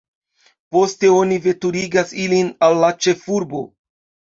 Poste oni veturigas ilin al la ĉefurbo.